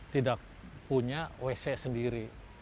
tidak punya wc sendiri